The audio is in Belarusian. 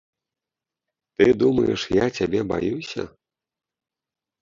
Ты думаеш, я цябе баюся?